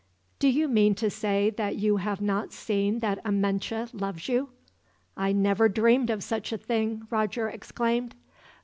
"Do you mean to say that you have not seen that Amenche loves you?" "I never dreamed of such a thing," Roger exclaimed.